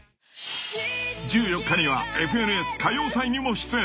［１４日には『ＦＮＳ歌謡祭』にも出演］